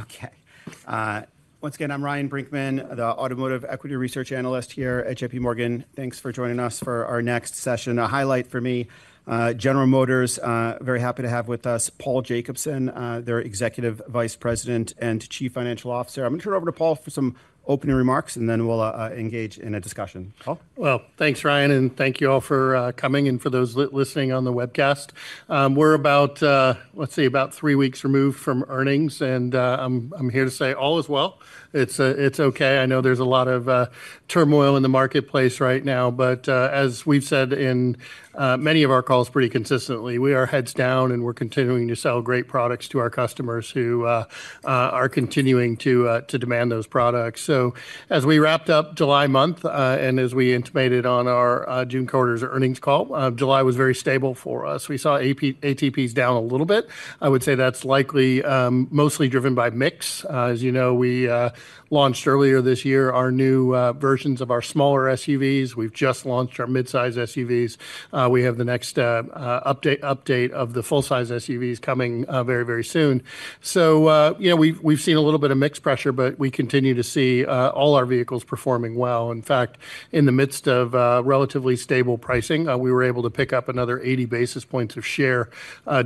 Okay. Once again, I'm Ryan Brinkman, the Automotive Equity Research Analyst here at J.P. Morgan. Thanks for joining us for our next session. A highlight for me, General Motors, very happy to have with us Paul Jacobson, their Executive Vice President and Chief Financial Officer. I'm going to turn it over to Paul for some opening remarks, and then we'll engage in a discussion. Paul? Well, thanks, Ryan, and thank you all for coming, and for those listening on the webcast. We're about, let's see, about three weeks removed from earnings, and I'm here to say, all is well. It's okay. I know there's a lot of turmoil in the marketplace right now, but as we've said in many of our calls pretty consistently, we are heads down, and we're continuing to sell great products to our customers, who are continuing to demand those products. So as we wrapped up July month, and as we intimated on our June quarter's earnings call, July was very stable for us. We saw ATPs down a little bit. I would say that's likely mostly driven by mix. As you know, we launched earlier this year our new versions of our smaller SUVs. We've just launched our mid-size SUVs. We have the next update of the full-size SUVs coming very, very soon. So, you know, we've seen a little bit of mix pressure, but we continue to see all our vehicles performing well. In fact, in the midst of relatively stable pricing, we were able to pick up another 80 basis points of share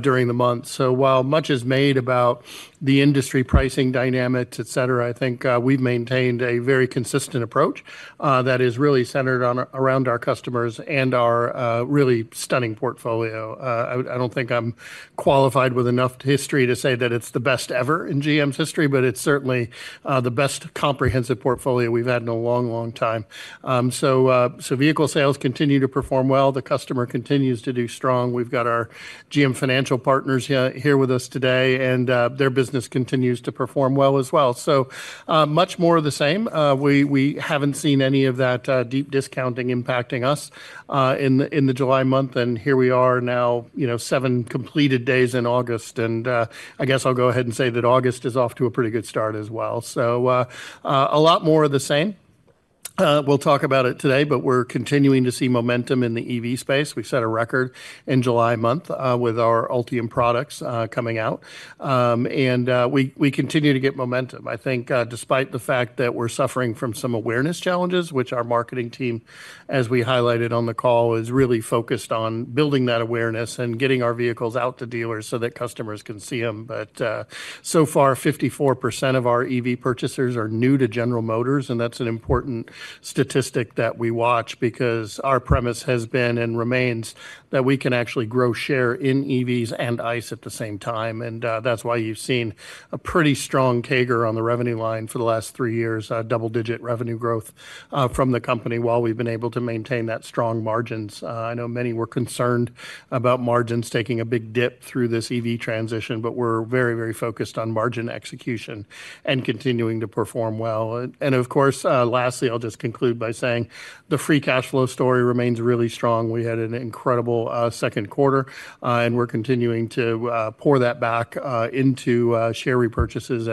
during the month. So while much is made about the industry pricing dynamics, et cetera, I think we've maintained a very consistent approach that is really centered on around our customers and our really stunning portfolio. I don't think I'm qualified with enough history to say that it's the best ever in GM's history, but it's certainly the best comprehensive portfolio we've had in a long, long time. So, vehicle sales continue to perform well. The customer continues to do strong. We've got our GM Financial partners here with us today, and their business continues to perform well as well. So, much more of the same. We haven't seen any of that deep discounting impacting us in the July month, and here we are now, you know, seven completed days in August. And I guess I'll go ahead and say that August is off to a pretty good start as well. So, a lot more of the same. We'll talk about it today, but we're continuing to see momentum in the EV space. We've set a record in July month with our Ultium products coming out. We continue to get momentum. I think, despite the fact that we're suffering from some awareness challenges, which our marketing team, as we highlighted on the call, is really focused on building that awareness and getting our vehicles out to dealers so that customers can see them. But so far, 54% of our EV purchasers are new to General Motors, and that's an important statistic that we watch because our premise has been, and remains, that we can actually grow share in EVs and ICE at the same time. That's why you've seen a pretty strong CAGR on the revenue line for the last three years, double-digit revenue growth from the company, while we've been able to maintain that strong margins. I know many were concerned about margins taking a big dip through this EV transition, but we're very, very focused on margin execution and continuing to perform well. Of course, lastly, I'll just conclude by saying the free cash flow story remains really strong. We had an incredible second quarter, and we're continuing to pour that back into share repurchases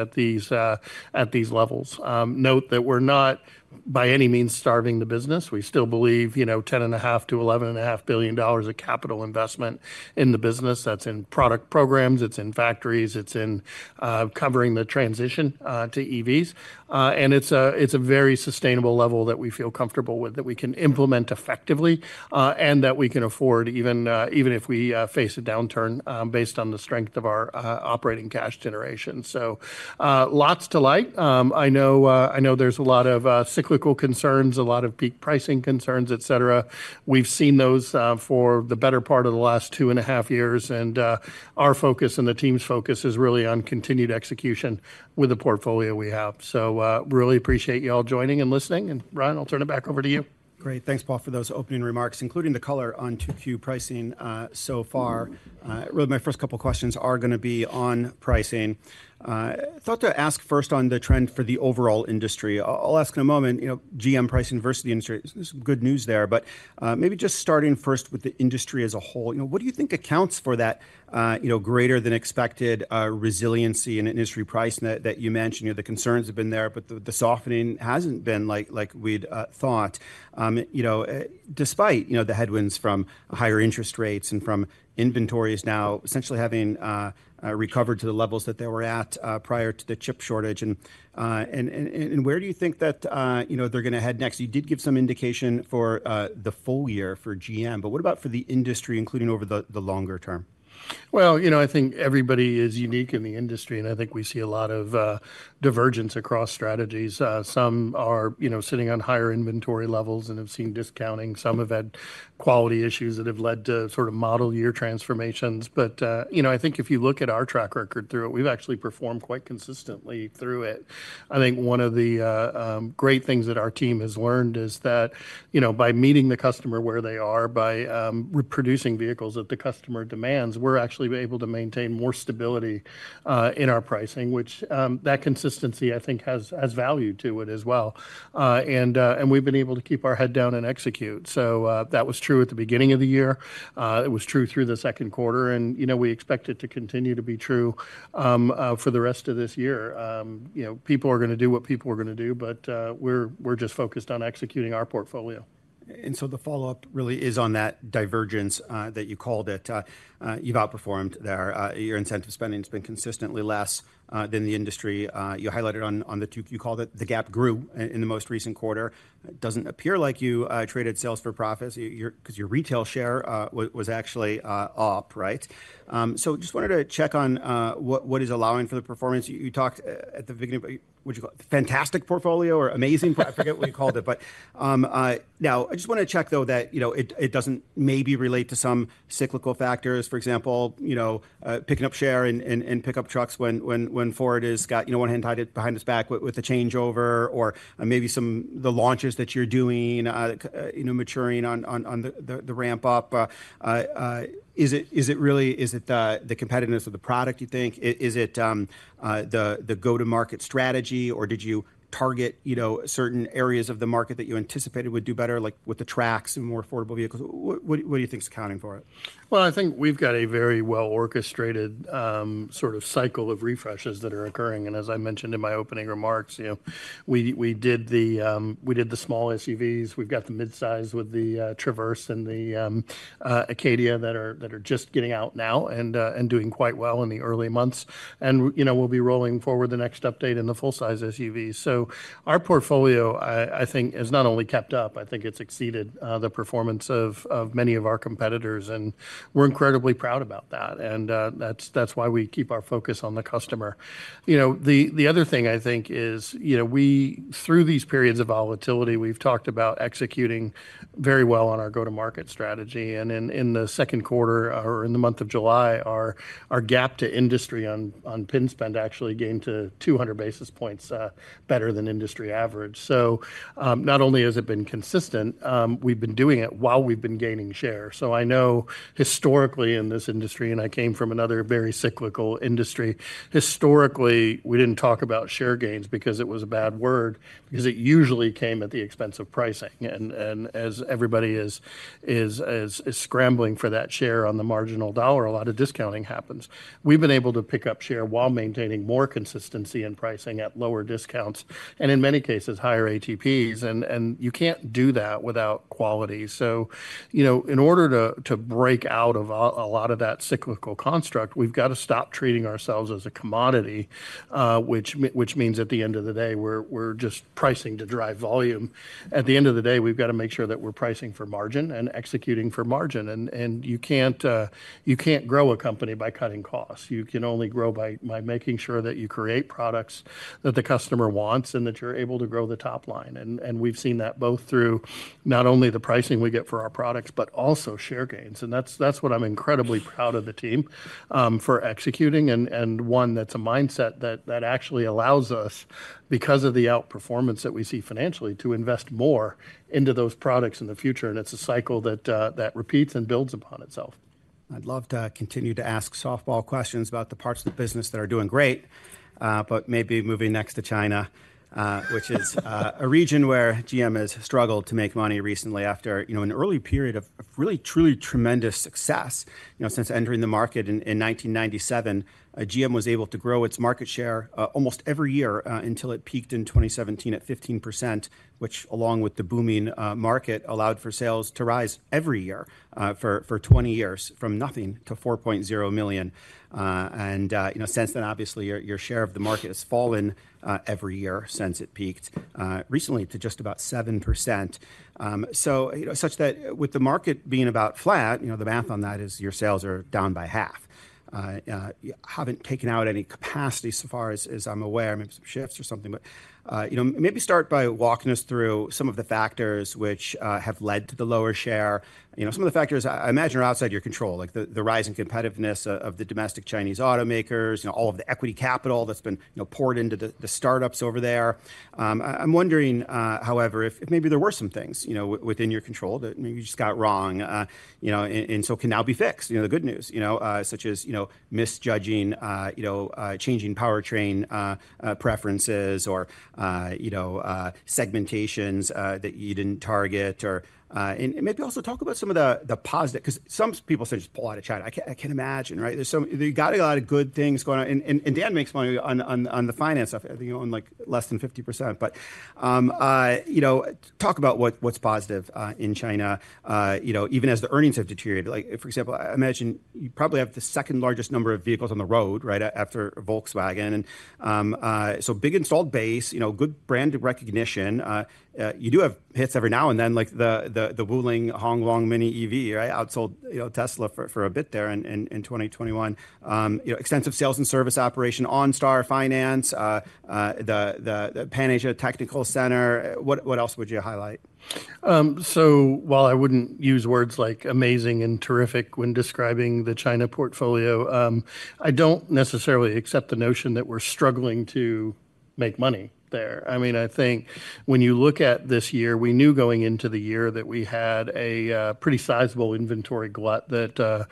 at these levels. Note that we're not by any means starving the business. We still believe, you know, $10.5 billion-$11.5 billion of capital investment in the business. That's in product programs, it's in factories, it's in covering the transition to EVs. And it's a very sustainable level that we feel comfortable with, that we can implement effectively, and that we can afford even if we face a downturn, based on the strength of our operating cash generation. So, lots to like. I know, I know there's a lot of cyclical concerns, a lot of peak pricing concerns, et cetera. We've seen those for the better part of the last two and a half years, and our focus and the team's focus is really on continued execution with the portfolio we have. So, really appreciate you all joining and listening, and, Ryan, I'll turn it back over to you. Great. Thanks, Paul, for those opening remarks, including the color on 2Q pricing so far. Really, my first couple questions are gonna be on pricing. I thought to ask first on the trend for the overall industry. I'll ask in a moment, you know, GM pricing versus the industry. There's some good news there, but maybe just starting first with the industry as a whole, you know, what do you think accounts for that, you know, greater than expected resiliency in industry pricing that you mentioned? You know, the concerns have been there, but the softening hasn't been like we'd thought. You know, despite you know the headwinds from higher interest rates and from inventories now essentially having recovered to the levels that they were at prior to the chip shortage, and where do you think that you know they're gonna head next? You did give some indication for the full year for GM, but what about for the industry, including over the longer term? Well, you know, I think everybody is unique in the industry, and I think we see a lot of divergence across strategies. Some are, you know, sitting on higher inventory levels and have seen discounting. Some have had quality issues that have led to sort of model year transformations. But, you know, I think if you look at our track record through it, we've actually performed quite consistently through it. I think one of the great things that our team has learned is that, you know, by meeting the customer where they are, by reproducing vehicles that the customer demands, we're actually able to maintain more stability in our pricing, which that consistency, I think, has value to it as well. And we've been able to keep our head down and execute. So, that was true at the beginning of the year, it was true through the second quarter, and, you know, we expect it to continue to be true, for the rest of this year. You know, people are gonna do what people are gonna do, but, we're just focused on executing our portfolio. ...And so the follow-up really is on that divergence, that you called it, you've outperformed there. Your incentive spending has been consistently less than the industry. You highlighted on the 2Q, you called it, the gap grew in the most recent quarter. It doesn't appear like you traded sales for profits, 'cause your retail share was actually up, right? So just wanted to check on what is allowing for the performance. You talked at the beginning, what you call it, fantastic portfolio or amazing? I forget what you called it, but now, I just want to check, though, that you know, it doesn't maybe relate to some cyclical factors. For example, you know, picking up share in pickup trucks when Ford has got, you know, one hand tied behind his back with the changeover or maybe the launches that you're doing, you know, maturing on the ramp up. Is it really the competitiveness of the product, you think? Is it the go-to-market strategy, or did you target, you know, certain areas of the market that you anticipated would do better, like with the trucks and more affordable vehicles? What do you think is accounting for it? Well, I think we've got a very well-orchestrated, sort of cycle of refreshes that are occurring, and as I mentioned in my opening remarks, you know, we did the small SUVs. We've got the midsize with the Traverse and the Acadia that are just getting out now and doing quite well in the early months. And, you know, we'll be rolling forward the next update in the full-size SUV. So our portfolio, I think, has not only kept up, I think it's exceeded the performance of many of our competitors, and we're incredibly proud about that, and that's why we keep our focus on the customer. You know, the other thing I think is, you know, we through these periods of volatility, we've talked about executing very well on our go-to-market strategy. And in the second quarter or in the month of July, our gap to industry on PIN spend actually gained to 200 basis points, better than industry average. So, not only has it been consistent, we've been doing it while we've been gaining share. So I know historically in this industry, and I came from another very cyclical industry. Historically, we didn't talk about share gains because it was a bad word, because it usually came at the expense of pricing. And as everybody is scrambling for that share on the marginal dollar, a lot of discounting happens. We've been able to pick up share while maintaining more consistency in pricing at lower discounts, and in many cases, higher ATPs, and you can't do that without quality. So, you know, in order to break out of a lot of that cyclical construct, we've got to stop treating ourselves as a commodity, which means at the end of the day, we're just pricing to drive volume. At the end of the day, we've got to make sure that we're pricing for margin and executing for margin, and you can't grow a company by cutting costs. You can only grow by making sure that you create products that the customer wants and that you're able to grow the top line. We've seen that both through not only the pricing we get for our products, but also share gains. That's what I'm incredibly proud of the team for executing, and one that's a mindset that actually allows us, because of the outperformance that we see financially, to invest more into those products in the future. It's a cycle that repeats and builds upon itself. I'd love to continue to ask softball questions about the parts of the business that are doing great, but maybe moving next to China, which is a region where GM has struggled to make money recently after, you know, an early period of really, truly tremendous success. You know, since entering the market in 1997, GM was able to grow its market share almost every year until it peaked in 2017 at 15%, which, along with the booming market, allowed for sales to rise every year for 20 years, from nothing to 4.0 million. And you know, since then, obviously, your share of the market has fallen every year since it peaked recently to just about 7%. So such that with the market being about flat, you know, the math on that is your sales are down by half. You haven't taken out any capacity so far as I'm aware, maybe some shifts or something, but, you know, maybe start by walking us through some of the factors which have led to the lower share. You know, some of the factors I imagine are outside your control, like the rise in competitiveness of the domestic Chinese automakers and all of the equity capital that's been, you know, poured into the startups over there. I'm wondering, however, if maybe there were some things, you know, within your control that maybe you just got wrong, you know, and so can now be fixed. You know, the good news, you know, such as, you know, misjudging, you know, changing powertrain, preferences or, you know, segmentations, that you didn't target or, and, and maybe also talk about some of the, the positive, 'cause some people say, "Just pull out of China." I can imagine, right? There's so you got a lot of good things going on, and, and, and Dan makes money on, on, on the finance stuff. I think you own, like, less than 50%. But, you know, talk about what's positive, in China, you know, even as the earnings have deteriorated. Like, for example, I imagine you probably have the second largest number of vehicles on the road, right, after Volkswagen, and, so big installed base, you know, good brand recognition. You do have hits every now and then, like the Wuling Hongguang Mini EV, right, outsold, you know, Tesla for a bit there in 2021. You know, extensive sales and service operation, OnStar finance, the Pan Asia Technical Center. What else would you highlight? So while I wouldn't use words like amazing and terrific when describing the China portfolio, I don't necessarily accept the notion that we're struggling to make money there. I mean, I think when you look at this year, we knew going into the year that we had a pretty sizable inventory glut that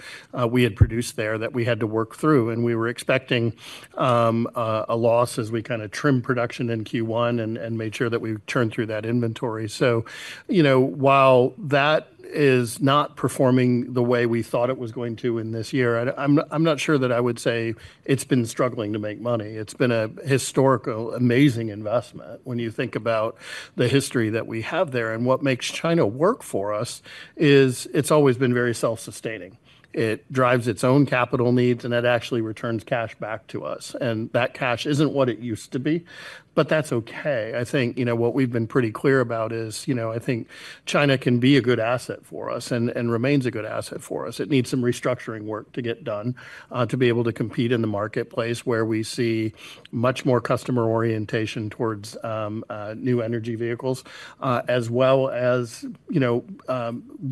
we had produced there that we had to work through, and we were expecting a loss as we kinda trimmed production in Q1 and made sure that we turned through that inventory. So, you know, while that is not performing the way we thought it was going to in this year, I'm not sure that I would say it's been struggling to make money. It's been a historical, amazing investment when you think about the history that we have there. What makes China work for us is it's always been very self-sustaining. It drives its own capital needs, and it actually returns cash back to us, and that cash isn't what it used to be, but that's okay. I think, you know, what we've been pretty clear about is, you know, I think China can be a good asset for us and, and remains a good asset for us. It needs some restructuring work to get done, to be able to compete in the marketplace, where we see much more customer orientation towards, new energy vehicles, as well as, you know,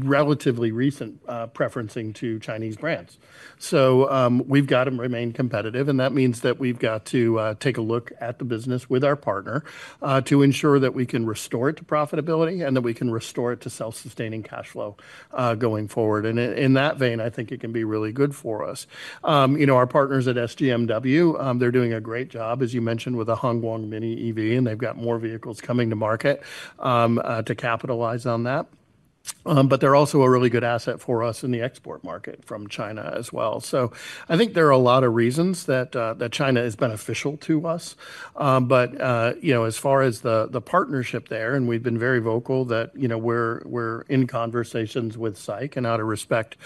relatively recent, preferencing to Chinese brands. So, we've got to remain competitive, and that means that we've got to take a look at the business with our partner to ensure that we can restore it to profitability and that we can restore it to self-sustaining cash flow going forward. And in that vein, I think it can be really good for us. You know, our partners at SGMW, they're doing a great job, as you mentioned, with the Hongguang MINI EV, and they've got more vehicles coming to market to capitalize on that. But they're also a really good asset for us in the export market from China as well. So I think there are a lot of reasons that China is beneficial to us. You know, as far as the partnership there, and we've been very vocal that, you know, we're in conversations with SAIC, and out of respect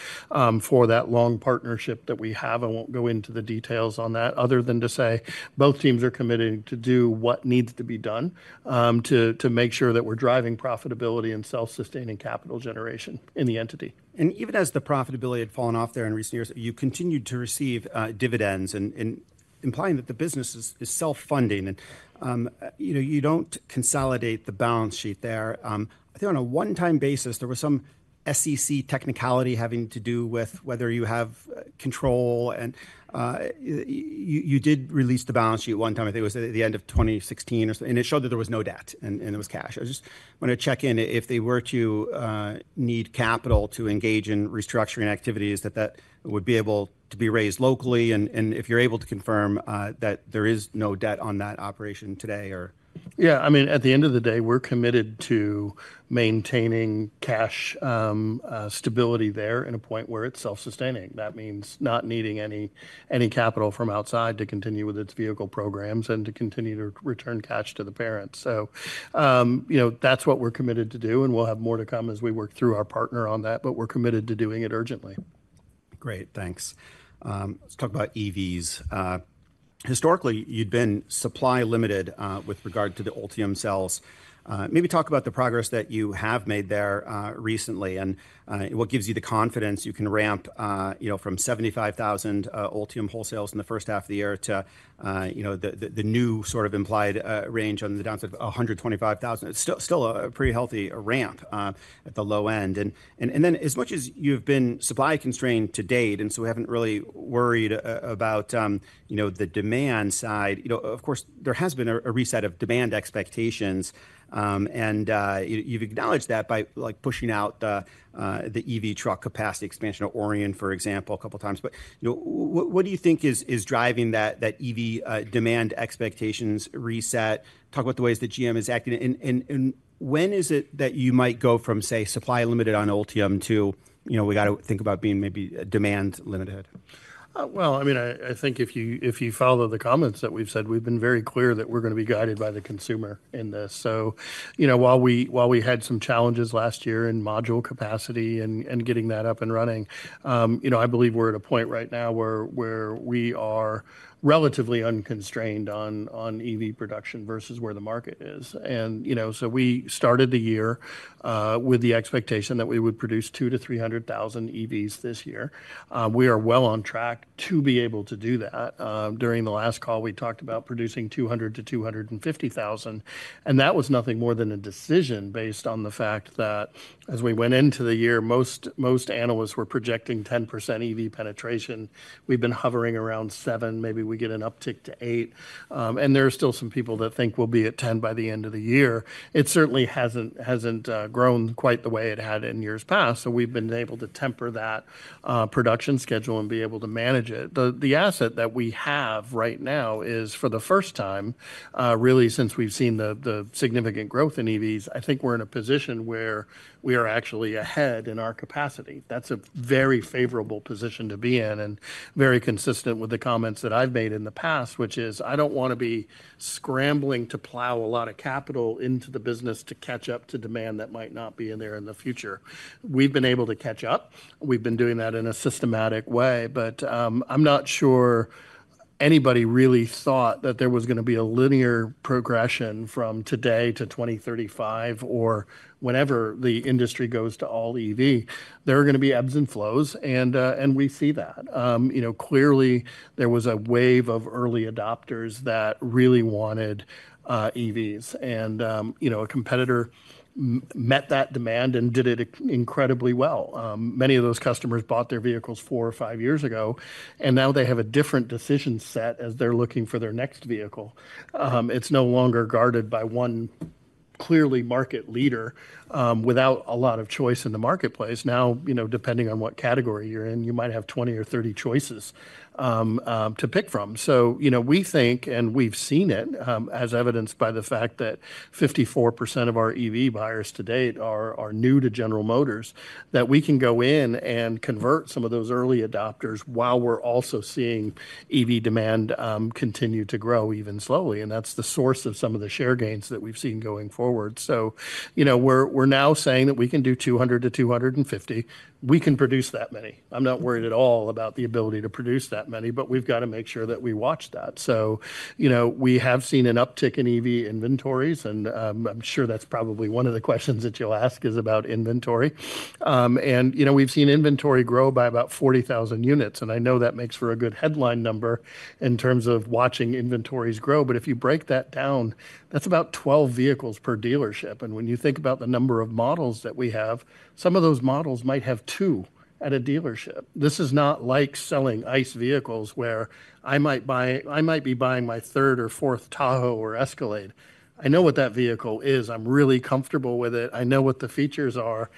for that long partnership that we have, I won't go into the details on that, other than to say both teams are committed to do what needs to be done, to make sure that we're driving profitability and self-sustaining capital generation in the entity. Even as the profitability had fallen off there in recent years, you continued to receive dividends, and implying that the business is self-funding. You know, you don't consolidate the balance sheet there. I think on a one-time basis, there was some SEC technicality having to do with whether you have control, and you did release the balance sheet one time. I think it was at the end of 2016 or so, and it showed that there was no debt, and it was cash. I just wanna check in. If they were to need capital to engage in restructuring activities, that would be able to be raised locally, and if you're able to confirm that there is no debt on that operation today or...? Yeah, I mean, at the end of the day, we're committed to maintaining cash stability there in a point where it's self-sustaining. That means not needing any capital from outside to continue with its vehicle programs and to continue to return cash to the parents. So, you know, that's what we're committed to do, and we'll have more to come as we work through our partner on that, but we're committed to doing it urgently. Great, thanks. Let's talk about EVs. Historically, you'd been supply limited with regard to the Ultium cells. Maybe talk about the progress that you have made there recently, and what gives you the confidence you can ramp, you know, from 75,000 Ultium wholesales in the first half of the year to, you know, the new sort of implied range on the downside of 125,000. It's still a pretty healthy ramp at the low end. And then, as much as you've been supply-constrained to date, and so we haven't really worried about, you know, the demand side, you know, of course, there has been a reset of demand expectations, and you've acknowledged that by, like, pushing out the EV truck capacity expansion at Orion, for example, a couple of times. But, you know, what do you think is driving that EV demand expectations reset? Talk about the ways that GM is acting, and when is it that you might go from, say, supply limited on Ultium to, you know, we got to think about being maybe demand limited? Well, I mean, I think if you follow the comments that we've said, we've been very clear that we're gonna be guided by the consumer in this. So, you know, while we had some challenges last year in module capacity and getting that up and running, you know, I believe we're at a point right now where we are relatively unconstrained on EV production versus where the market is. And, you know, so we started the year with the expectation that we would produce 200,000-300,000 EVs this year. We are well on track to be able to do that. During the last call, we talked about producing 200-250,000, and that was nothing more than a decision based on the fact that as we went into the year, most analysts were projecting 10% EV penetration. We've been hovering around 7, maybe we get an uptick to 8%, and there are still some people that think we'll be at 10% by the end of the year. It certainly hasn't grown quite the way it had in years past, so we've been able to temper that production schedule and be able to manage it. The asset that we have right now is, for the first time, really since we've seen the significant growth in EVs, I think we're in a position where we are actually ahead in our capacity. That's a very favorable position to be in and very consistent with the comments that I've made in the past, which is, I don't wanna be scrambling to plow a lot of capital into the business to catch up to demand that might not be in there in the future. We've been able to catch up. We've been doing that in a systematic way, but, I'm not sure anybody really thought that there was gonna be a linear progression from today to 2035 or whenever the industry goes to all EV. There are gonna be ebbs and flows, and and we see that. You know, clearly, there was a wave of early adopters that really wanted EVs, and, you know, a competitor met that demand and did it incredibly well. Many of those customers bought their vehicles 4 or 5 years ago, and now they have a different decision set as they're looking for their next vehicle. It's no longer guarded by one clearly market leader, without a lot of choice in the marketplace. Now, you know, depending on what category you're in, you might have 20 or 30 choices to pick from. So, you know, we think, and we've seen it, as evidenced by the fact that 54% of our EV buyers to date are new to General Motors, that we can go in and convert some of those early adopters while we're also seeing EV demand continue to grow, even slowly. And that's the source of some of the share gains that we've seen going forward. So, you know, we're now saying that we can do 200-250. We can produce that many. I'm not worried at all about the ability to produce that many, but we've got to make sure that we watch that. So, you know, we have seen an uptick in EV inventories, and I'm sure that's probably one of the questions that you'll ask is about inventory. And, you know, we've seen inventory grow by about 40,000 units, and I know that makes for a good headline number in terms of watching inventories grow. But if you break that down, that's about 12 vehicles per dealership. And when you think about the number of models that we have, some of those models might have 2 at a dealership. This is not like selling ICE vehicles, where I might be buying my third or fourth Tahoe or Escalade. I know what that vehicle is. I'm really comfortable with it. I know what the features are.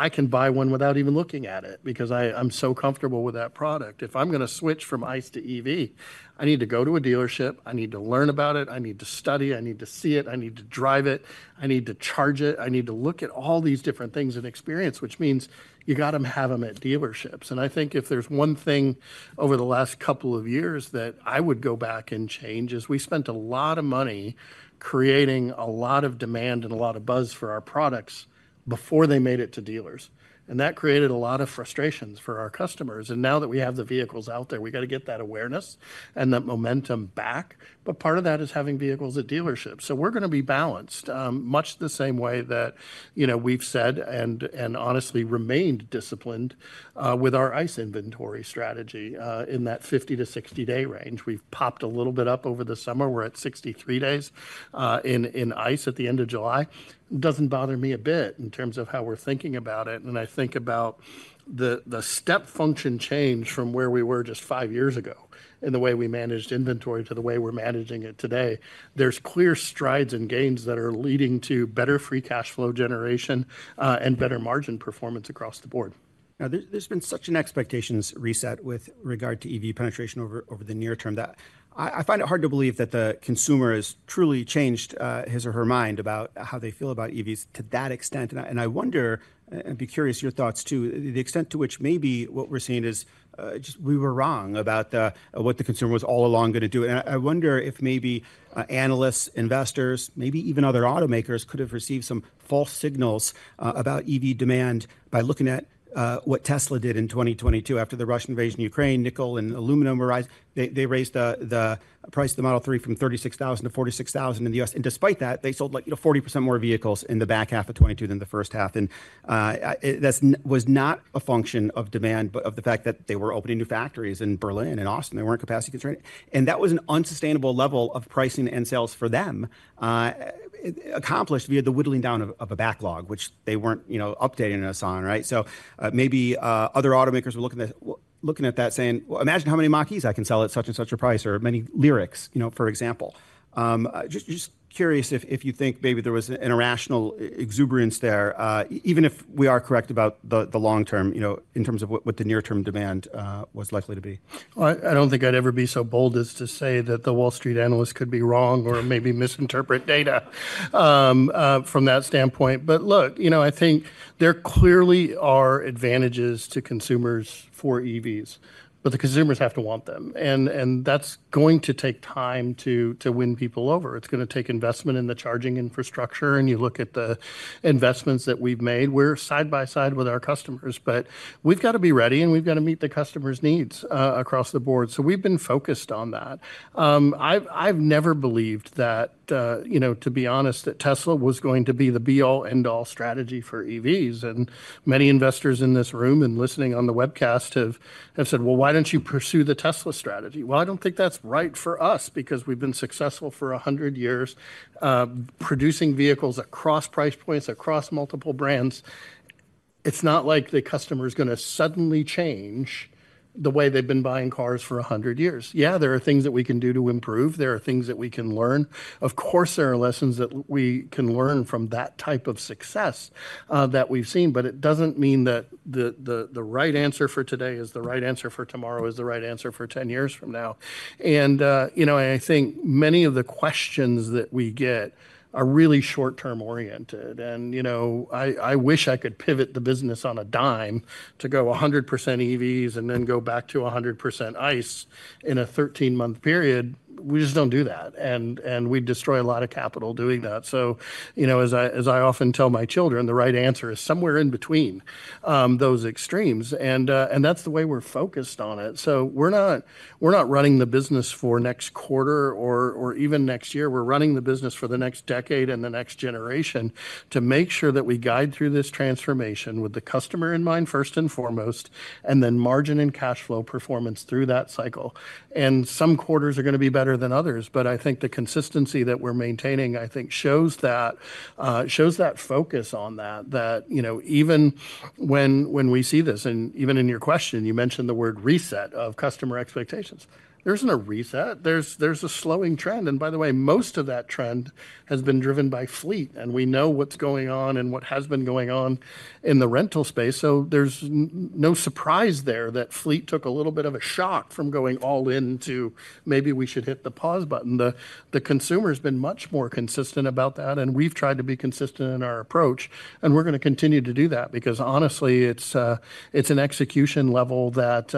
I can buy one without even looking at it because I, I'm so comfortable with that product. If I'm gonna switch from ICE to EV, I need to go to a dealership, I need to learn about it, I need to study it, I need to see it, I need to drive it, I need to charge it. I need to look at all these different things and experience, which means you got to have them at dealerships. I think if there's one thing over the last couple of years that I would go back and change, is we spent a lot of money creating a lot of demand and a lot of buzz for our products before they made it to dealers. That created a lot of frustrations for our customers. Now that we have the vehicles out there, we got to get that awareness and that momentum back. Part of that is having vehicles at dealerships. We're gonna be balanced, much the same way that, you know, we've said and honestly remained disciplined, with our ICE inventory strategy, in that 50-60 day range. We've popped a little bit up over the summer. We're at 63 days in ICE at the end of July. Doesn't bother me a bit in terms of how we're thinking about it. And I think about the step function change from where we were just five years ago in the way we managed inventory to the way we're managing it today. There's clear strides and gains that are leading to better free cash flow generation, and better margin performance across the board. Now, there's been such an expectations reset with regard to EV penetration over the near term, that I find it hard to believe that the consumer has truly changed his or her mind about how they feel about EVs to that extent. And I wonder, and I'd be curious your thoughts, too, the extent to which maybe what we're seeing is just we were wrong about the what the consumer was all along gonna do. And I wonder if maybe analysts, investors, maybe even other automakers, could have received some false signals about EV demand by looking at what Tesla did in 2022 after the Russian invasion of Ukraine, nickel and aluminum prices rise. They raised the price of the Model 3 from $36,000 to $46,000 in the U.S. Despite that, they sold, like, you know, 40% more vehicles in the back half of 2022 than the first half. That's not a function of demand, but of the fact that they were opening new factories in Berlin and Austin. They weren't capacity constrained. And that was an unsustainable level of pricing and sales for them, accomplished via the whittling down of a backlog, which they weren't, you know, updating us on. Right? So, maybe other automakers were looking at, well, looking at that, saying: "Well, imagine how many Mach-Es I can sell at such and such a price, or many Lyriqs," you know, for example. Just curious if you think maybe there was an irrational exuberance there, even if we are correct about the long term, you know, in terms of what the near-term demand was likely to be. Well, I don't think I'd ever be so bold as to say that the Wall Street analysts could be wrong or maybe misinterpret data from that standpoint. But look, you know, I think there clearly are advantages to consumers for EVs, but the consumers have to want them, and that's going to take time to win people over. It's gonna take investment in the charging infrastructure, and you look at the investments that we've made. We're side by side with our customers, but we've got to be ready, and we've got to meet the customers' needs across the board. So we've been focused on that. I've never believed that, you know, to be honest, that Tesla was going to be the be-all, end-all strategy for EVs. Many investors in this room and listening on the webcast have said, "Well, why don't you pursue the Tesla strategy?" Well, I don't think that's right for us, because we've been successful for 100 years producing vehicles across price points, across multiple brands. It's not like the customer is gonna suddenly change the way they've been buying cars for 100 years. Yeah, there are things that we can do to improve. There are things that we can learn. Of course, there are lessons that we can learn from that type of success that we've seen, but it doesn't mean that the right answer for today is the right answer for tomorrow, is the right answer for 10 years from now. And you know, I think many of the questions that we get are really short-term oriented. You know, I wish I could pivot the business on a dime to go 100% EVs and then go back to 100% ICE in a 13-month period. We just don't do that, and we'd destroy a lot of capital doing that. So, you know, as I often tell my children, the right answer is somewhere in between those extremes. And that's the way we're focused on it. So we're not running the business for next quarter or even next year. We're running the business for the next decade and the next generation to make sure that we guide through this transformation with the customer in mind first and foremost... and then margin and cash flow performance through that cycle. And some quarters are going to be better than others, but I think the consistency that we're maintaining, I think, shows that, shows that focus on that, that, you know, even when, when we see this, and even in your question, you mentioned the word reset of customer expectations. There isn't a reset. There's, there's a slowing trend. And by the way, most of that trend has been driven by fleet, and we know what's going on and what has been going on in the rental space. So there's no surprise there that fleet took a little bit of a shock from going all in to, maybe we should hit the pause button. The consumer has been much more consistent about that, and we've tried to be consistent in our approach, and we're going to continue to do that because honestly, it's, it's an execution level that,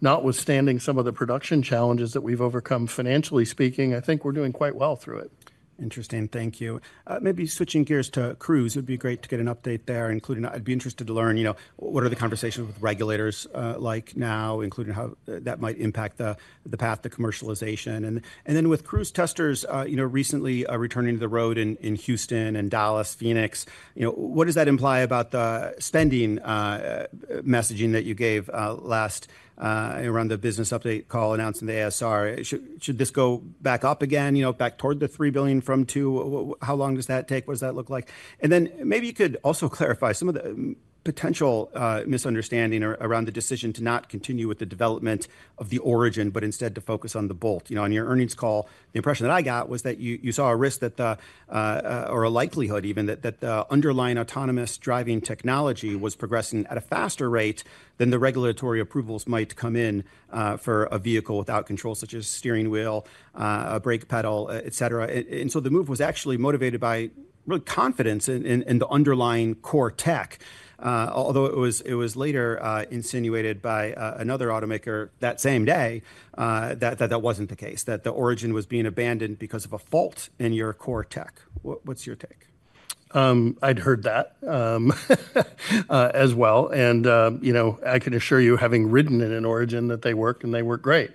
notwithstanding some of the production challenges that we've overcome, financially speaking, I think we're doing quite well through it. Interesting. Thank you. Maybe switching gears to Cruise, it'd be great to get an update there, including—I'd be interested to learn, you know, what are the conversations with regulators, like now, including how that might impact the path to commercialization? And then with Cruise testers, you know, recently returning to the road in Houston and Dallas, Phoenix, you know, what does that imply about the spending messaging that you gave last around the business update call announcing the ASR? Should this go back up again, you know, back toward the $3 billion from $2 billion? How long does that take? What does that look like? And then maybe you could also clarify some of the potential misunderstanding around the decision to not continue with the development of the Origin, but instead to focus on the Bolt. You know, on your earnings call, the impression that I got was that you saw a risk or a likelihood even that the underlying autonomous driving technology was progressing at a faster rate than the regulatory approvals might come in for a vehicle without controls, such as steering wheel, a brake pedal, et cetera. And so the move was actually motivated by real confidence in the underlying core tech, although it was later insinuated by another automaker that same day that that wasn't the case, that the Origin was being abandoned because of a fault in your core tech. What's your take? I'd heard that, as well, and, you know, I can assure you, having ridden in an Origin, that they work and they work great.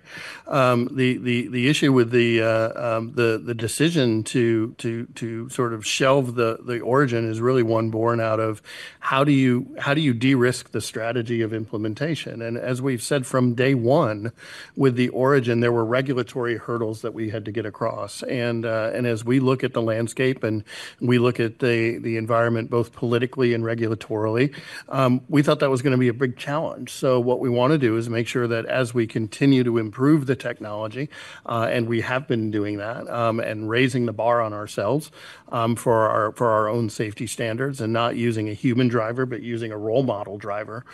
The issue with the decision to sort of shelve the Origin is really one born out of how do you - how do you de-risk the strategy of implementation? And as we've said from day one, with the Origin, there were regulatory hurdles that we had to get across. And as we look at the landscape and we look at the environment, both politically and regulatorily, we thought that was going to be a big challenge. So what we want to do is make sure that as we continue to improve the technology, and we have been doing that, and raising the bar on ourselves, for our own safety standards and not using a human driver, but using a role model driver,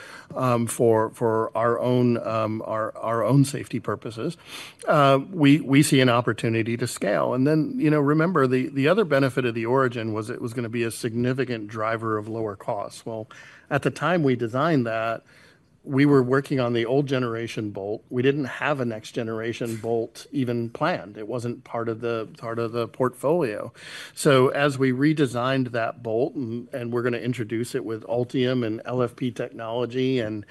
for our own safety purposes, we see an opportunity to scale. And then, you know, remember, the other benefit of the Origin was it was going to be a significant driver of lower costs. Well, at the time we designed that, we were working on the old generation Bolt. We didn't have a next generation Bolt even planned. It wasn't part of the portfolio. So as we redesigned that Bolt, and we're going to introduce it with Ultium and LFP technology and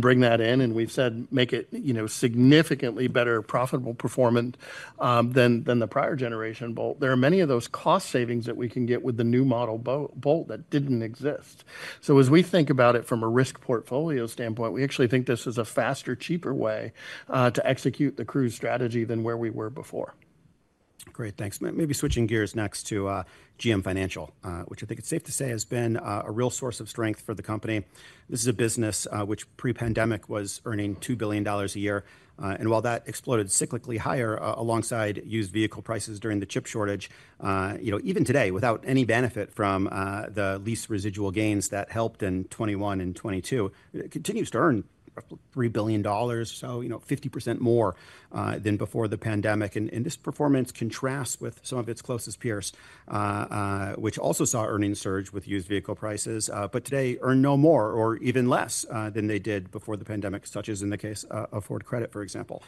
bring that in, and we've said, make it, you know, significantly better profitable performant than the prior generation Bolt. There are many of those cost savings that we can get with the new model Bolt that didn't exist. So as we think about it from a risk portfolio standpoint, we actually think this is a faster, cheaper way to execute the Cruise strategy than where we were before. Great. Thanks. Maybe switching gears next to GM Financial, which I think it's safe to say has been a real source of strength for the company. This is a business which pre-pandemic was earning $2 billion a year. And while that exploded cyclically higher alongside used vehicle prices during the chip shortage, you know, even today, without any benefit from the lease residual gains that helped in 2021 and 2022, it continues to earn $3 billion, so, you know, 50% more than before the pandemic. And this performance contrasts with some of its closest peers, which also saw earnings surge with used vehicle prices, but today earn no more or even less than they did before the pandemic, such as in the case of Ford Credit, for example.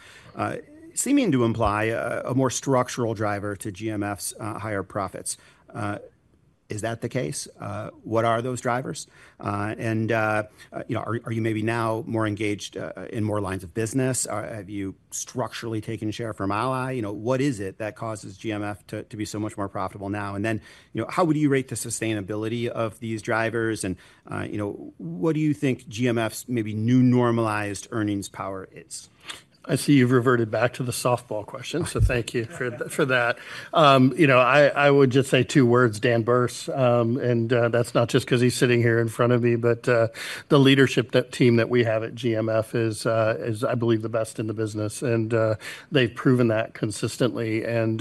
Seeming to imply a more structural driver to GMF's higher profits. Is that the case? What are those drivers? And, you know, are you maybe now more engaged in more lines of business? Have you structurally taken share from Ally? You know, what is it that causes GMF to be so much more profitable now? And then, you know, how would you rate the sustainability of these drivers? And, you know, what do you think GMF's maybe new normalized earnings power is?... I see you've reverted back to the softball question, so thank you for that. You know, I would just say two words, Dan Berce. And that's not just 'cause he's sitting here in front of me, but the leadership, that team that we have at GMF is, I believe, the best in the business. And they've proven that consistently. And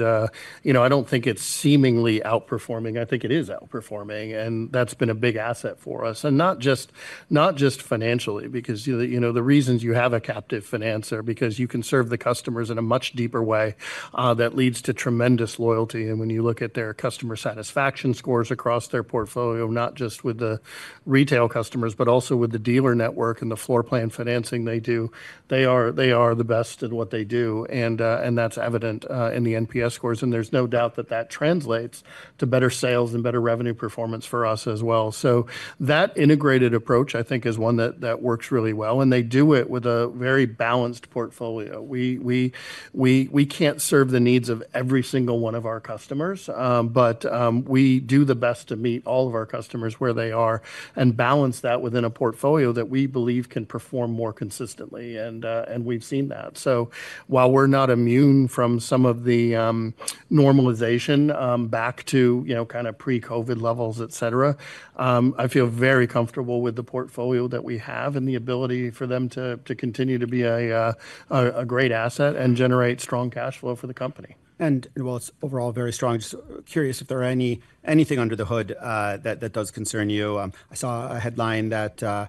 you know, I don't think it's seemingly outperforming; I think it is outperforming, and that's been a big asset for us. And not just, not just financially, because you know, you know, the reasons you have a captive financer, because you can serve the customers in a much deeper way, that leads to tremendous loyalty. When you look at their customer satisfaction scores across their portfolio, not just with the retail customers, but also with the dealer network and the floor plan financing they do, they are the best at what they do. And that's evident in the NPS scores, and there's no doubt that that translates to better sales and better revenue performance for us as well. So that integrated approach, I think, is one that works really well, and they do it with a very balanced portfolio. We can't serve the needs of every single one of our customers, but we do the best to meet all of our customers where they are and balance that within a portfolio that we believe can perform more consistently, and we've seen that. So while we're not immune from some of the normalization back to, you know, kind of pre-COVID levels, et cetera, I feel very comfortable with the portfolio that we have and the ability for them to continue to be a great asset and generate strong cashflow for the company. Well, it's overall very strong. Just curious if there are anything under the hood that does concern you. I saw a headline that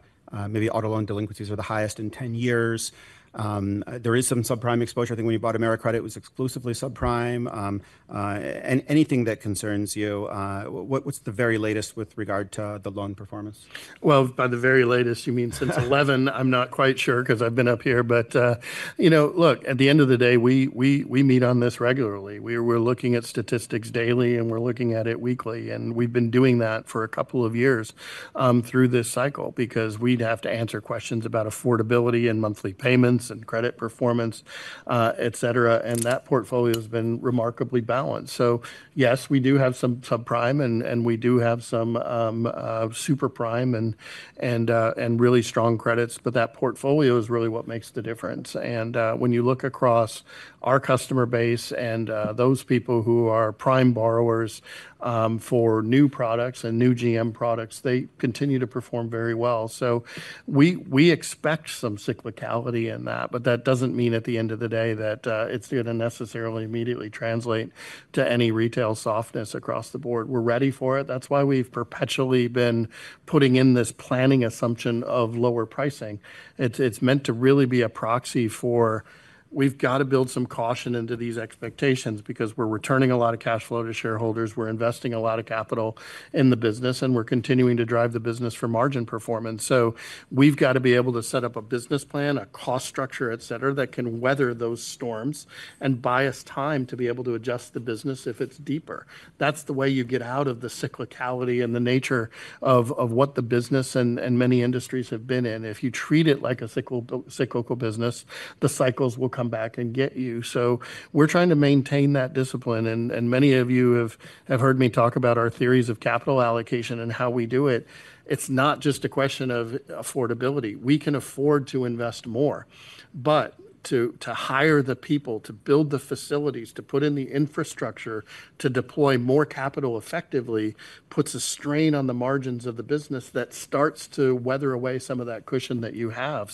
maybe auto loan delinquencies were the highest in 10 years. There is some subprime exposure. I think when you bought AmeriCredit, it was exclusively subprime. Anything that concerns you, what's the very latest with regard to the loan performance? Well, by the very latest, you mean since 2011? I'm not quite sure 'cause I've been up here. But you know, look, at the end of the day, we meet on this regularly. We're looking at statistics daily, and we're looking at it weekly, and we've been doing that for a couple of years through this cycle because we'd have to answer questions about affordability and monthly payments and credit performance, et cetera, and that portfolio's been remarkably balanced. So yes, we do have some subprime, and we do have some super prime and really strong credits, but that portfolio is really what makes the difference. And when you look across our customer base and those people who are prime borrowers for new products and new GM products, they continue to perform very well. So we, we expect some cyclicality in that, but that doesn't mean at the end of the day that, it's gonna necessarily immediately translate to any retail softness across the board. We're ready for it. That's why we've perpetually been putting in this planning assumption of lower pricing. It's, it's meant to really be a proxy for, we've got to build some caution into these expectations because we're returning a lot of cash flow to shareholders, we're investing a lot of capital in the business, and we're continuing to drive the business for margin performance. So we've got to be able to set up a business plan, a cost structure, et cetera, that can weather those storms and buy us time to be able to adjust the business if it's deeper. That's the way you get out of the cyclicality and the nature of what the business and many industries have been in. If you treat it like a cyclical business, the cycles will come back and get you. So we're trying to maintain that discipline, and many of you have heard me talk about our theories of capital allocation and how we do it. It's not just a question of affordability. We can afford to invest more, but to hire the people, to build the facilities, to put in the infrastructure, to deploy more capital effectively puts a strain on the margins of the business that starts to weather away some of that cushion that you have.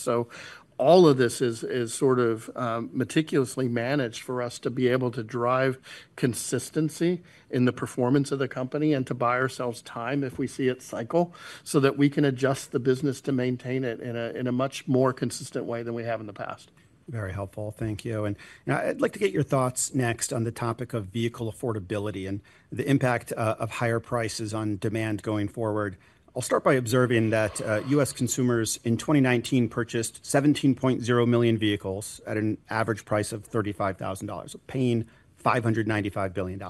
All of this is sort of meticulously managed for us to be able to drive consistency in the performance of the company and to buy ourselves time if we see it cycle, so that we can adjust the business to maintain it in a much more consistent way than we have in the past. Very helpful. Thank you. And now, I'd like to get your thoughts next on the topic of vehicle affordability and the impact of higher prices on demand going forward. I'll start by observing that US consumers in 2019 purchased 17.0 million vehicles at an average price of $35,000, paying $595 billion.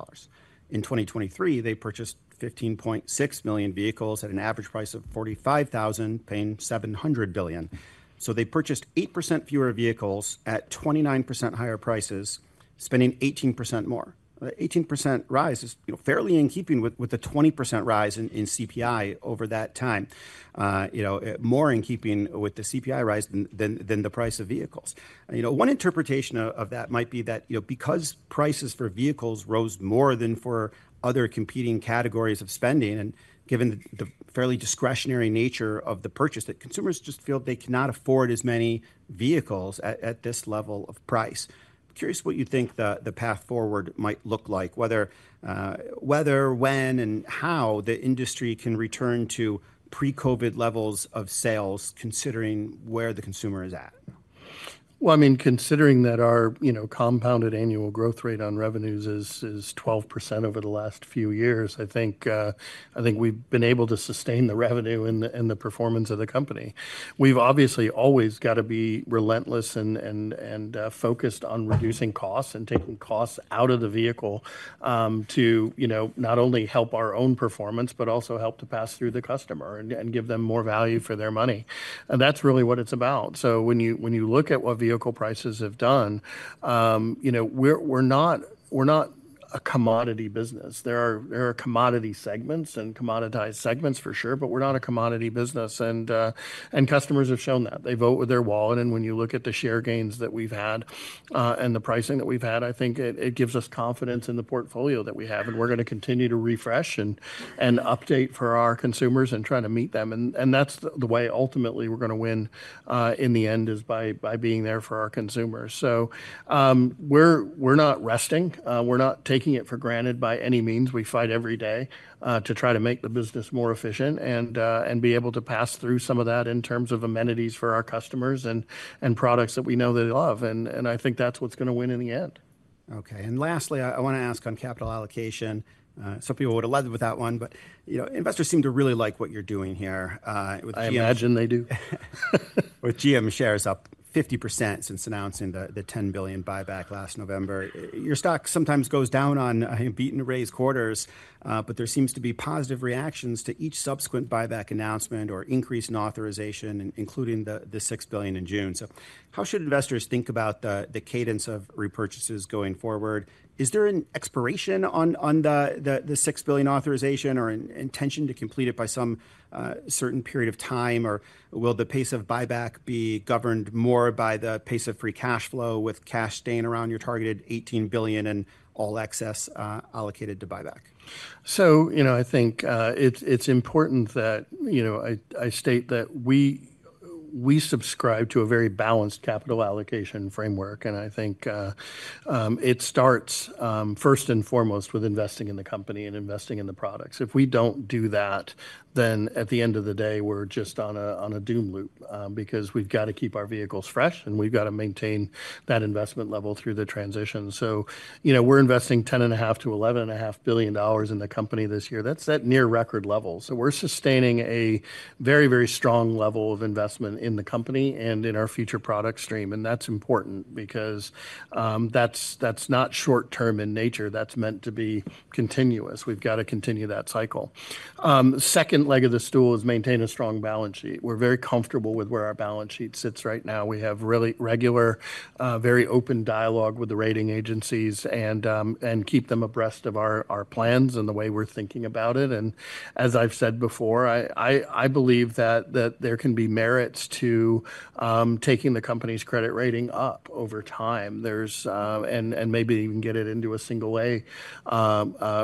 In 2023, they purchased 15.6 million vehicles at an average price of $45,000, paying $700 billion. So they purchased 8% fewer vehicles at 29% higher prices, spending 18% more. Eighteen percent rise is, you know, fairly in keeping with the 20% rise in CPI over that time. You know, more in keeping with the CPI rise than the price of vehicles. You know, one interpretation of that might be that, you know, because prices for vehicles rose more than for other competing categories of spending, and given the fairly discretionary nature of the purchase, that consumers just feel they cannot afford as many vehicles at this level of price. I'm curious what you think the path forward might look like, whether, when, and how the industry can return to pre-COVID levels of sales, considering where the consumer is at. Well, I mean, considering that our, you know, compounded annual growth rate on revenues is 12% over the last few years, I think, I think we've been able to sustain the revenue and the performance of the company. We've obviously always got to be relentless and focused on reducing costs and taking costs out of the vehicle, you know, to not only help our own performance, but also help to pass through the customer and give them more value for their money. And that's really what it's about. So when you look at what vehicle prices have done, you know, we're not a commodity business. There are commodity segments and commoditized segments for sure, but we're not a commodity business. And customers have shown that. They vote with their wallet, and when you look at the share gains that we've had and the pricing that we've had, I think it gives us confidence in the portfolio that we have, and we're going to continue to refresh and update for our consumers and try to meet them. And that's the way ultimately we're going to win in the end, is by being there for our consumers. So, we're not resting. We're not taking it for granted by any means. We fight every day to try to make the business more efficient and be able to pass through some of that in terms of amenities for our customers and products that we know they love, and I think that's what's going to win in the end. Okay, and lastly, I want to ask on capital allocation. Some people would have led with that one, but, you know, investors seem to really like what you're doing here, with GM- I imagine they do. With GM shares up 50% since announcing the $10 billion buyback last November, your stock sometimes goes down on beat and raised quarters, but there seems to be positive reactions to each subsequent buyback announcement or increase in authorization, including the $6 billion in June. So how should investors think about the cadence of repurchases going forward? Is there an expiration on the $6 billion authorization or an intention to complete it by some certain period of time? Or will the pace of buyback be governed more by the pace of free cash flow, with cash staying around your targeted $18 billion and all excess allocated to buyback? So, you know, I think, it's important that, you know, I state that we subscribe to a very balanced capital allocation framework, and I think, it starts first and foremost with investing in the company and investing in the products. If we don't do that, then at the end of the day, we're just on a doom loop, because we've got to keep our vehicles fresh, and we've got to maintain that investment level through the transition. So, you know, we're investing $10.5 billion-$11.5 billion in the company this year. That's at near record level. So we're sustaining a very, very strong level of investment in the company and in our future product stream. And that's important because, that's not short term in nature. That's meant to be continuous. We've got to continue that cycle. Second leg of the stool is maintain a strong balance sheet. We're very comfortable with where our balance sheet sits right now. We have really regular, very open dialogue with the rating agencies and, and keep them abreast of our, our plans and the way we're thinking about it. And as I've said before, I believe that there can be merits to taking the company's credit rating up over time. There's... And maybe even get it into a single A,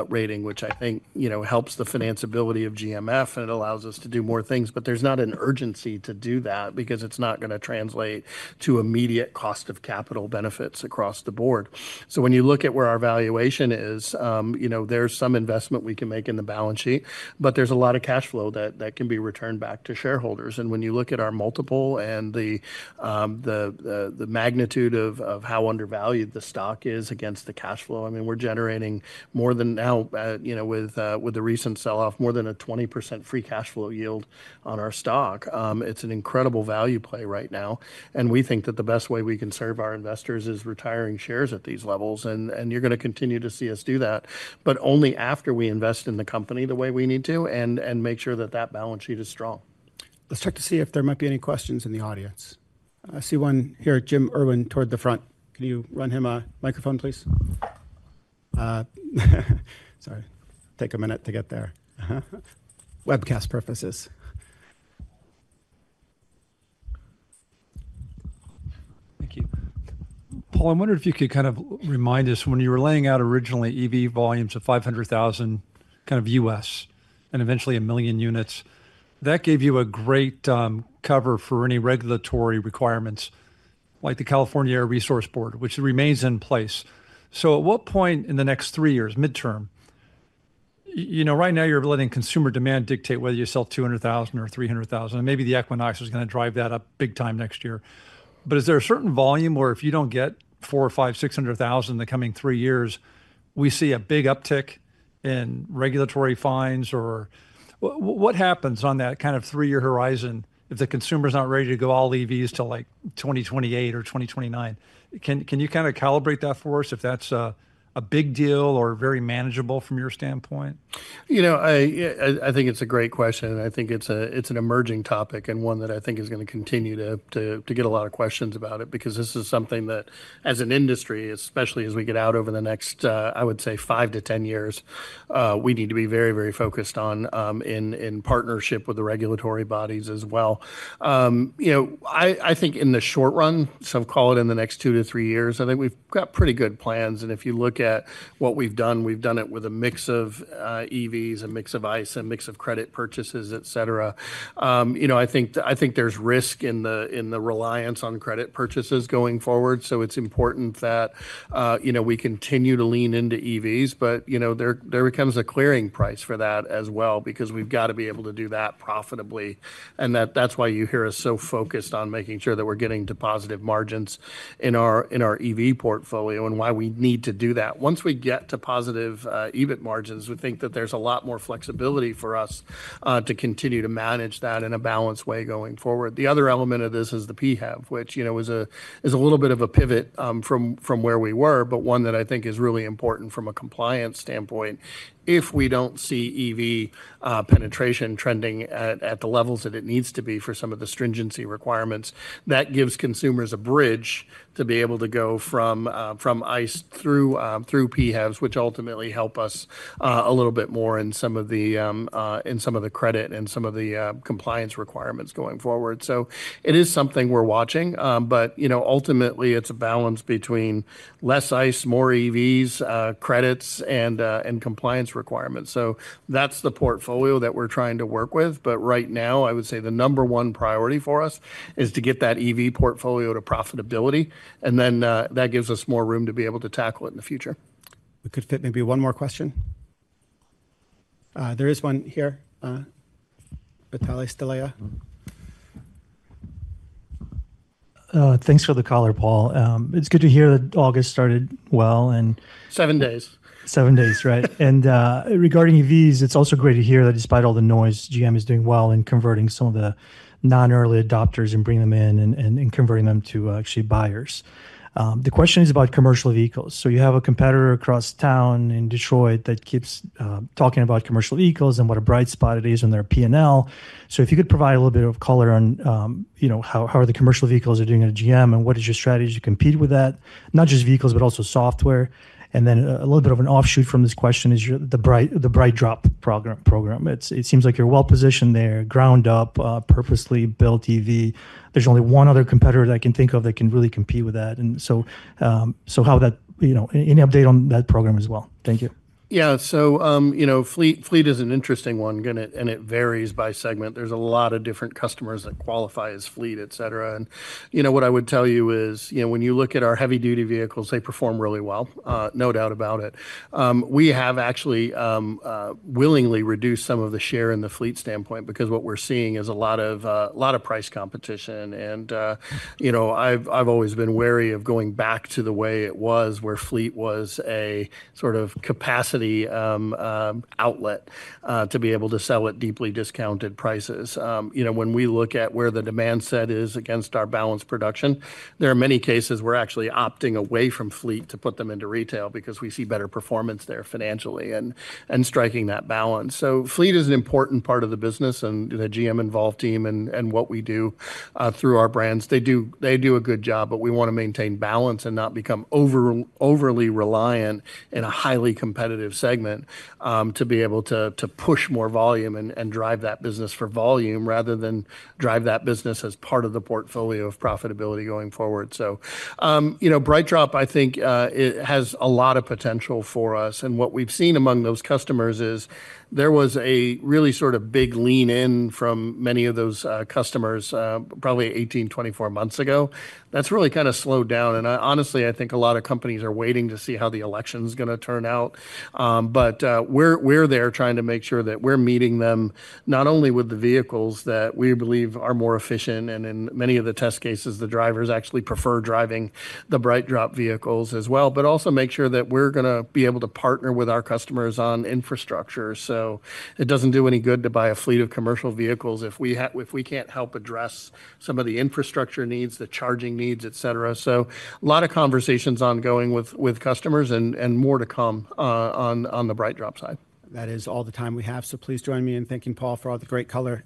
rating, which I think, you know, helps the financeability of GMF, and it allows us to do more things. But there's not an urgency to do that because it's not going to translate to immediate cost of capital benefits across the board. So when you look at where our valuation is, you know, there's some investment we can make in the balance sheet, but there's a lot of cash flow that can be returned back to shareholders. And when you look at our multiple and the magnitude of how undervalued the stock is against the cash flow, I mean, we're generating more than now, you know, with the recent sell-off, more than a 20% free cash flow yield on our stock. It's an incredible value play right now, and we think that the best way we can serve our investors is retiring shares at these levels. And you're going to continue to see us do that, but only after we invest in the company the way we need to and make sure that that balance sheet is strong. Let's check to see if there might be any questions in the audience. I see one here, Jim Irwin, toward the front. Can you run him a microphone, please? Sorry, take a minute to get there. Webcast purposes. Thank you. Paul, I wonder if you could kind of remind us, when you were laying out originally EV volumes of 500,000, kind of U.S., and eventually 1 million units, that gave you a great cover for any regulatory requirements, like the California Air Resources Board, which remains in place. So at what point in the next three years, midterm... You know, right now you're letting consumer demand dictate whether you sell 200,000 or 300,000, and maybe the Equinox is going to drive that up big time next year. But is there a certain volume where if you don't get 400,000 or 500,000-600,000 in the coming three years, we see a big uptick in regulatory fines? Or what happens on that kind of three-year horizon if the consumer's not ready to go all EVs till, like, 2028 or 2029? Can you kinda calibrate that for us, if that's a big deal or very manageable from your standpoint? You know, I think it's a great question, and I think it's an emerging topic and one that I think is going to continue to get a lot of questions about it, because this is something that, as an industry, especially as we get out over the next, I would say five to 10 years, we need to be very, very focused on, in partnership with the regulatory bodies as well. You know, I think in the short run, some call it in the next two to three years, I think we've got pretty good plans. If you look at what we've done, we've done it with a mix of EVs, a mix of ICE, a mix of PHEVs, etc. You know, I think, I think there's risk in the, in the reliance on credit purchases going forward, so it's important that, you know, we continue to lean into EVs. But, you know, there, there becomes a clearing price for that as well, because we've got to be able to do that profitably. And that, that's why you hear us so focused on making sure that we're getting to positive margins in our, in our EV portfolio and why we need to do that. Once we get to positive EBIT margins, we think that there's a lot more flexibility for us, to continue to manage that in a balanced way going forward. The other element of this is the PHEV, which, you know, is a, is a little bit of a pivot, from, from where we were, but one that I think is really important from a compliance standpoint. If we don't see EV, penetration trending at, at the levels that it needs to be for some of the stringency requirements, that gives consumers a bridge to be able to go from, from ICE through, through PHEVs, which ultimately help us, a little bit more in some of the, in some of the credit and some of the, compliance requirements going forward. So it is something we're watching, but, you know, ultimately it's a balance between less ICE, more EVs, credits, and, and compliance requirements. So that's the portfolio that we're trying to work with. Right now, I would say the number one priority for us is to get that EV portfolio to profitability, and then, that gives us more room to be able to tackle it in the future. We could fit maybe one more question? There is one here, Vitaly Stolyar. Thanks for the caller, Paul. It's good to hear that August started well, and- Seven days. Seven days, right. And regarding EVs, it's also great to hear that despite all the noise, GM is doing well in converting some of the non-early adopters and bringing them in, and converting them to actually buyers. The question is about commercial vehicles. So you have a competitor across town in Detroit that keeps talking about commercial vehicles and what a bright spot it is on their P&L. So if you could provide a little bit of color on you know how the commercial vehicles are doing at GM, and what is your strategy to compete with that? Not just vehicles, but also software. And then a little bit of an offshoot from this question is your the BrightDrop program. It seems like you're well positioned there, ground up purposely built EV. There's only one other competitor that I can think of that can really compete with that. And so, how that... You know, any update on that program as well? Thank you. Yeah. So, you know, fleet, fleet is an interesting one, and it, and it varies by segment. There's a lot of different customers that qualify as fleet, etc. And, you know, what I would tell you is, you know, when you look at our heavy-duty vehicles, they perform really well, no doubt about it. We have actually willingly reduced some of the share in the fleet standpoint because what we're seeing is a lot of, lot of price competition. And, you know, I've, I've always been wary of going back to the way it was, where fleet was a sort of capacity, outlet, to be able to sell at deeply discounted prices. You know, when we look at where the demand set is against our balanced production, there are many cases we're actually opting away from fleet to put them into retail because we see better performance there financially, and striking that balance. So fleet is an important part of the business, and the GM Envolve team and what we do through our brands. They do a good job, but we want to maintain balance and not become overly reliant in a highly competitive segment to be able to push more volume and drive that business for volume, rather than drive that business as part of the portfolio of profitability going forward. So, you know, BrightDrop, I think, it has a lot of potential for us, and what we've seen among those customers is there was a really sort of big lean in from many of those customers probably 18-24 months ago. That's really kinda slowed down, and I honestly, I think a lot of companies are waiting to see how the election's gonna turn out. But, we're there trying to make sure that we're meeting them, not only with the vehicles that we believe are more efficient, and in many of the test cases, the drivers actually prefer driving the BrightDrop vehicles as well, but also make sure that we're gonna be able to partner with our customers on infrastructure. So it doesn't do any good to buy a fleet of commercial vehicles if we can't help address some of the infrastructure needs, the charging needs, etc. So a lot of conversations ongoing with customers and more to come on the BrightDrop side. That is all the time we have. Please join me in thanking Paul for all the great color.